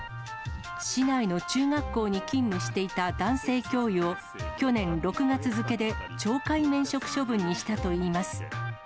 市内の中学校に勤務していた男性教諭を、去年６月付で懲戒免職処分にしたといいます。